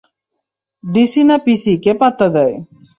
DC না PC, কে পাত্তা দেয়?